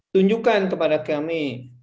tunjukkan kepada kami